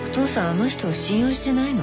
あの人を信用してないの？